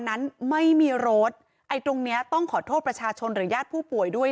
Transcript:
นั้นไม่มีรถไอ้ตรงเนี้ยต้องขอโทษประชาชนหรือญาติผู้ป่วยด้วย